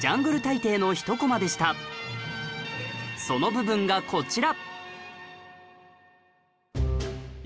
その部分がこちら